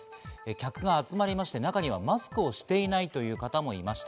客が集まり、中にはマスクをしていないという方もいました。